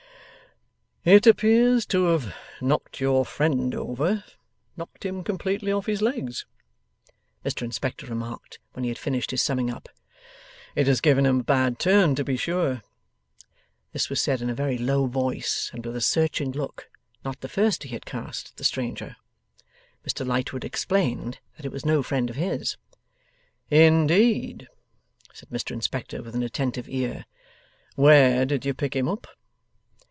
'It appears to have knocked your friend over knocked him completely off his legs,' Mr Inspector remarked, when he had finished his summing up. 'It has given him a bad turn to be sure!' This was said in a very low voice, and with a searching look (not the first he had cast) at the stranger. Mr Lightwood explained that it was no friend of his. 'Indeed?' said Mr Inspector, with an attentive ear; 'where did you pick him up?